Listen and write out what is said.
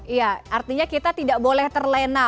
iya artinya kita tidak boleh terlena